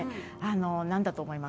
何だと思います？